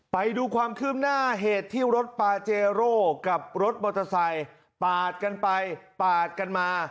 ไปดูความคืบหน้าเหตุที่รถปาเจโร่กับรถมอเตอร์ไซค์ปาดกันไปปาดกันมา